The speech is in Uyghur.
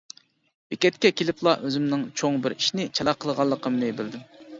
بېكەتكە كېلىپلا ئۆزۈمنىڭ چوڭ بىر ئىشنى چالا قىلغانلىقىمنى بىلدىم.